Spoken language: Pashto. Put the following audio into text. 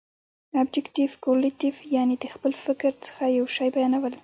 ابجګټف کورلیټف، یعني د خپل فکر څخه یو شي بیانول.